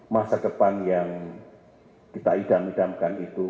masa depan yang kita idam idamkan itu